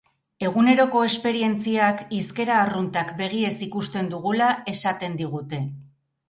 Eguneroko esperientziak, hizkera arruntak begiez ikusten dugula esaten digute.